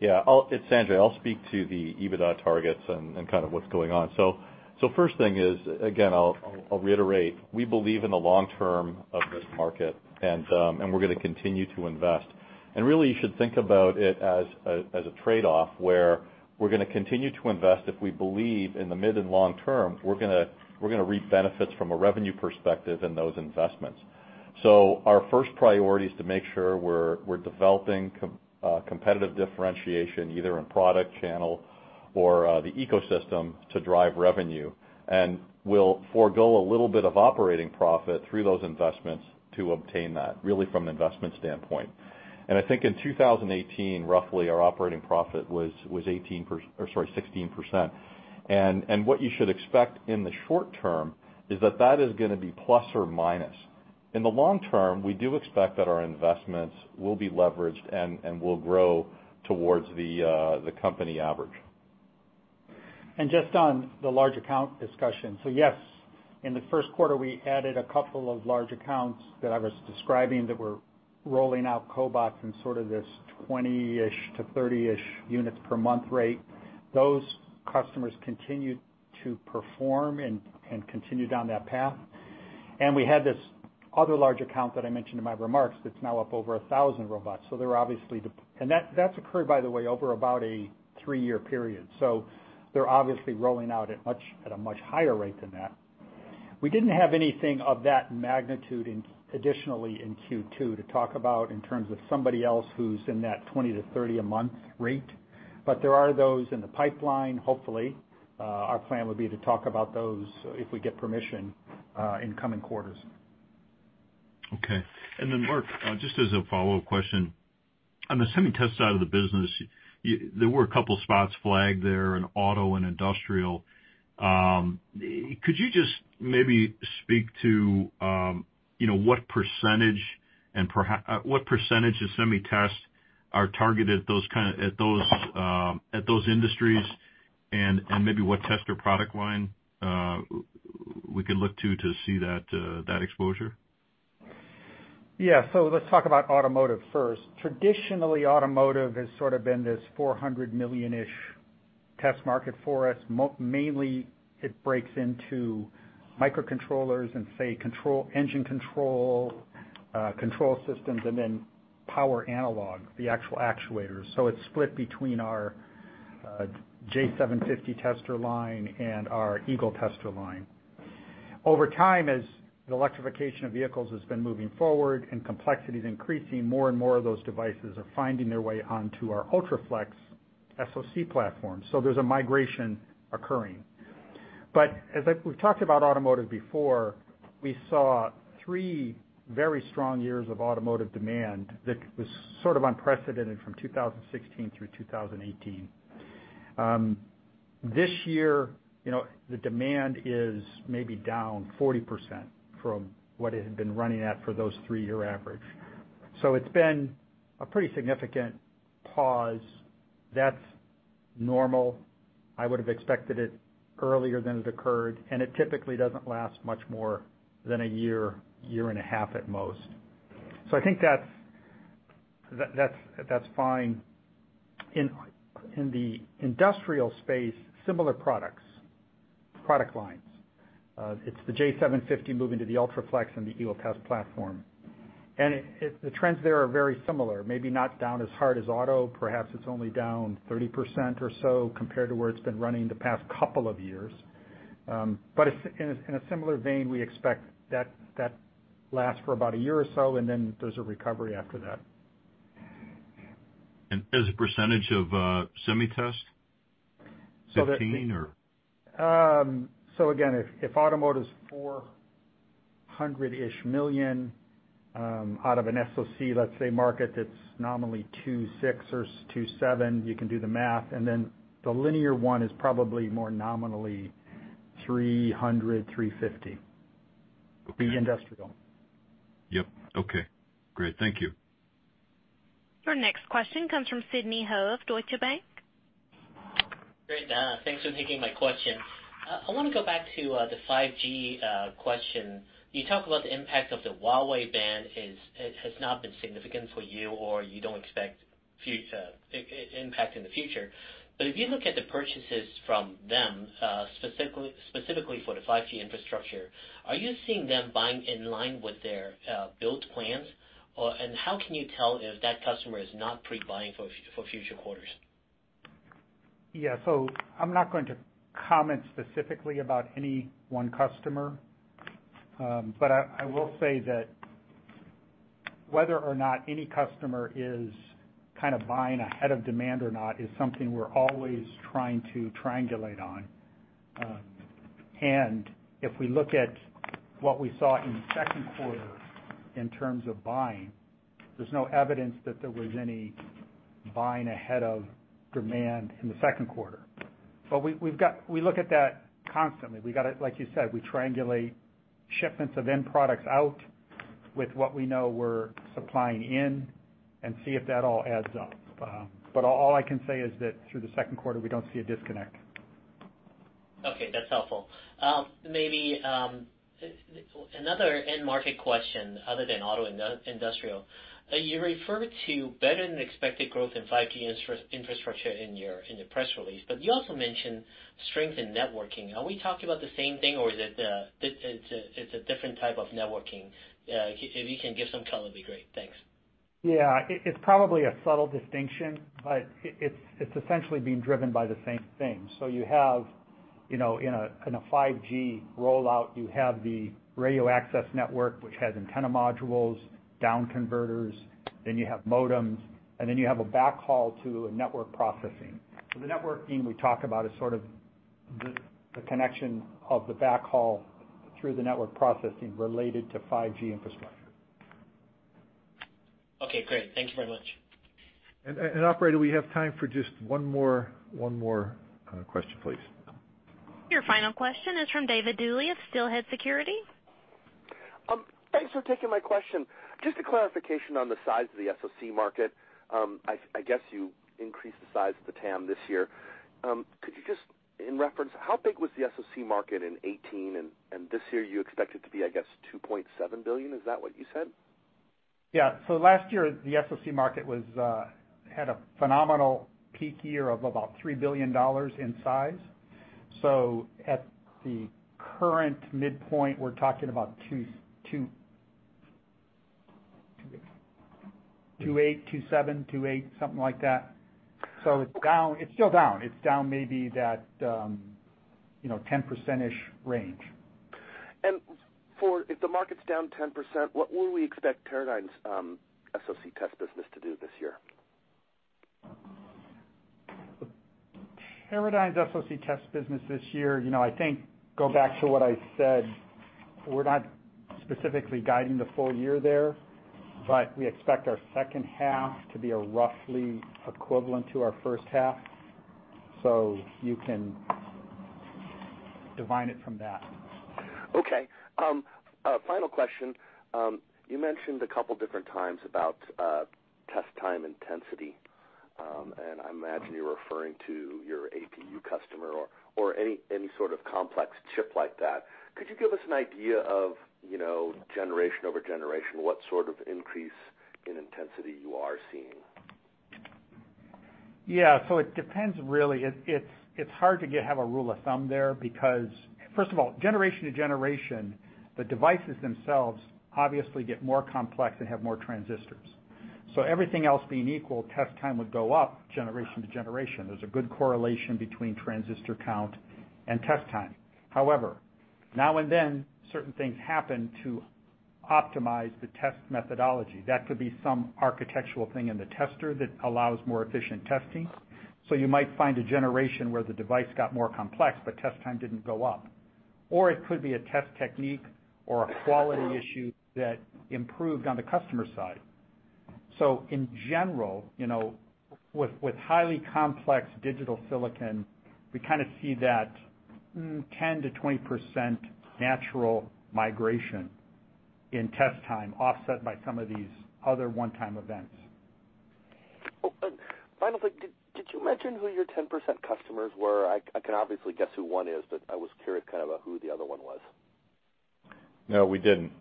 Yeah. It's Sanjay. I'll speak to the EBITDA targets and kind of what's going on. First thing is, again, I'll reiterate, we believe in the long-term of this market, and we're going to continue to invest. Really, you should think about it as a trade-off, where we're going to continue to invest if we believe in the mid and long term, we're going to reap benefits from a revenue perspective in those investments. Our first priority is to make sure we're developing competitive differentiation, either in product channel or the ecosystem to drive revenue. We'll forego a little bit of operating profit through those investments to obtain that, really from an investment standpoint. I think in 2018, roughly our operating profit was 16%. What you should expect in the short term is that that is going to be ±. In the long term, we do expect that our investments will be leveraged and will grow towards the company average. Just on the large account discussion. Yes, in the first quarter, we added a couple of large accounts that I was describing that were rolling out cobots in sort of this 20-ish to 30-ish units per month rate. Those customers continued to perform and continue down that path. We had this other large account that I mentioned in my remarks that's now up over 1,000 robots. That's occurred, by the way, over about a three-year period. They're obviously rolling out at a much higher rate than that. We didn't have anything of that magnitude additionally in Q2 to talk about in terms of somebody else who's in that 20 to 30-a-month rate. There are those in the pipeline, hopefully. Our plan would be to talk about those, if we get permission, in coming quarters. Okay. Mark, just as a follow-up question. On the SemiTest side of the business, there were a couple spots flagged there in auto and industrial. Could you just maybe speak to what % of SemiTest are targeted at those industries and maybe what tester product line we could look to see that exposure? Let's talk about automotive first. Traditionally, automotive has sort of been this 400 million-ish test market for us. Mainly, it breaks into microcontrollers and say, engine control systems, and then power analog, the actual actuators. It's split between our J750 tester line and our Eagle tester line. Over time, as the electrification of vehicles has been moving forward and complexity is increasing, more and more of those devices are finding their way onto our UltraFLEX SoC platform. There's a migration occurring. As we've talked about automotive before, we saw three very strong years of automotive demand that was sort of unprecedented from 2016 through 2018. This year, the demand is maybe down 40% from what it had been running at for those three-year average. It's been a pretty significant pause. That's normal. I would've expected it earlier than it occurred, and it typically doesn't last much more than a year and a half at most. I think that's fine. In the industrial space, similar products, product lines. It's the J750 moving to the UltraFLEX and the Eagle test platform. The trends there are very similar, maybe not down as hard as auto. Perhaps it's only down 30% or so compared to where it's been running the past couple of years. In a similar vein, we expect that to last for about a year or so, and then there's a recovery after that. As a percentage of SemiTest, 15% or? Again, if automotive's $400 million out of an SoC, let's say, market that's nominally $2.6 billion or $2.7 billion, you can do the math, the linear one is probably more nominally $300 million, $350 million the industrial. Yep. Okay, great. Thank you. Your next question comes from Sidney Ho of Deutsche Bank. Great. Thanks for taking my question. I want to go back to the 5G question. You talk about the impact of the Huawei ban has not been significant for you, or you don't expect impact in the future. If you look at the purchases from them, specifically for the 5G infrastructure, are you seeing them buying in line with their build plans? How can you tell if that customer is not pre-buying for future quarters? I'm not going to comment specifically about any one customer. I will say that whether or not any customer is kind of buying ahead of demand or not is something we're always trying to triangulate on. If we look at what we saw in the second quarter in terms of buying, there's no evidence that there was any buying ahead of demand in the second quarter. We look at that constantly. Like you said, we triangulate shipments of end products out with what we know we're supplying in and see if that all adds up. All I can say is that through the second quarter, we don't see a disconnect. Okay, that's helpful. Maybe another end market question other than auto industrial. You refer to better than expected growth in 5G infrastructure in your press release, but you also mentioned strength in networking. Are we talking about the same thing or is it a different type of networking? If you can give some color, it'd be great. Thanks. Yeah. It's probably a subtle distinction, but it's essentially being driven by the same thing. You have in a 5G rollout, you have the radio access network, which has antenna modules, down converters, then you have modems, and then you have a backhaul to network processing. The networking we talk about is sort of the connection of the backhaul through the network processing related to 5G infrastructure. Okay, great. Thank you very much. Operator, we have time for just one more question, please. Your final question is from David Duley of Steelhead Securities. Thanks for taking my question. Just a clarification on the size of the SoC market. I guess you increased the size of the TAM this year. Could you just in reference, how big was the SoC market in 2018 and this year you expect it to be, I guess, $2.7 billion, is that what you said? Yeah. Last year, the SoC market had a phenomenal peak year of about $3 billion in size. At the current midpoint, we're talking about $2.8, $2.7, something like that. It's still down. It's down maybe that 10%-ish range. If the market's down 10%, what will we expect Teradyne's SoC test business to do this year? Teradyne's SoC test business this year, I think go back to what I said, we're not specifically guiding the full year there, but we expect our second half to be roughly equivalent to our first half. You can divine it from that. Okay. Final question. You mentioned a couple different times about test time intensity. I imagine you're referring to your APU customer or any sort of complex chip like that. Could you give us an idea of generation over generation, what sort of increase in intensity you are seeing? Yeah. It depends, really. It's hard to have a rule of thumb there, because first of all, generation to generation, the devices themselves obviously get more complex and have more transistors. Everything else being equal, test time would go up generation to generation. There's a good correlation between transistor count and test time. However, now and then certain things happen to optimize the test methodology. That could be some architectural thing in the tester that allows more efficient testing. You might find a generation where the device got more complex, but test time didn't go up. It could be a test technique or a quality issue that improved on the customer side. In general, with highly complex digital silicon, we kind of see that 10%-20% natural migration in test time offset by some of these other one-time events. Final thing, did you mention who your 10% customers were? I can obviously guess who one is, I was curious kind of about who the other one was. No, we didn't.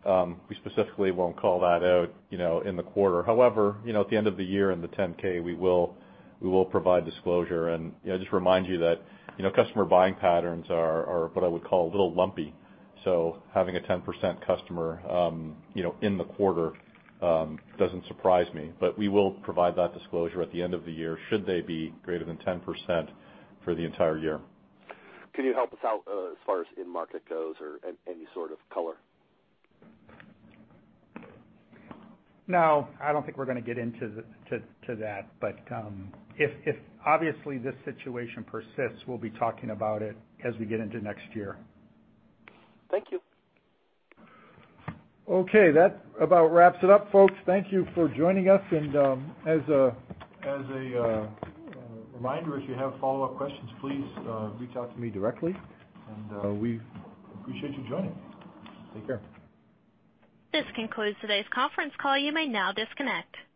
We specifically won't call that out in the quarter. However, at the end of the year in the 10-K, we will provide disclosure and just remind you that customer buying patterns are what I would call a little lumpy. Having a 10% customer in the quarter doesn't surprise me. We will provide that disclosure at the end of the year, should they be greater than 10% for the entire year. Can you help us out as far as end market goes or any sort of color? No, I don't think we're going to get into that, but if obviously this situation persists, we'll be talking about it as we get into next year. Thank you. Okay. That about wraps it up, folks. Thank you for joining us. As a reminder, if you have follow-up questions, please reach out to me directly, and we appreciate you joining. Take care. This concludes today's conference call. You may now disconnect.